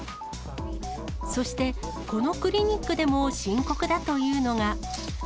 そして、このクリニックでも深刻だというのが。